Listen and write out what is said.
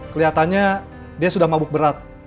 kelihatannya dia sudah mabuk berat